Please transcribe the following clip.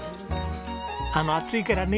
あの熱いからね